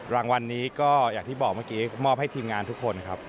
รางวัลนี้ก็อย่างที่บอกเมื่อกี้มอบให้ทีมงานทุกคนครับ